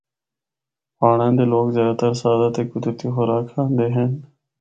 پہاڑاں دے لوگ زیادہ تر سادہ تے قدرتی خوراک کھاندے ہن۔